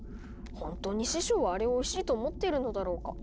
ほんとに師匠はあれをおいしいと思っているのだろうか。